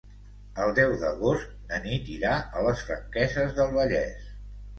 El deu d'agost na Nit irà a les Franqueses del Vallès.